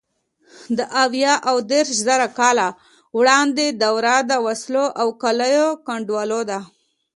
د اویا او دېرشزره کاله وړاندې دوره د وسلو او کالیو ګنډلو ده.